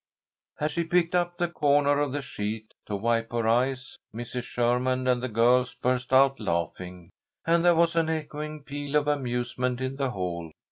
As she picked up the corner of the sheet to wipe her eyes Mrs. Sherman and the girls burst out laughing, and there was an echoing peal of amusement in the hall.